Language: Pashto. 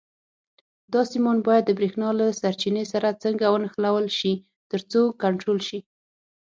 دا سیمان باید د برېښنا له سرچینې سره څنګه ونښلول شي ترڅو کنټرول شي.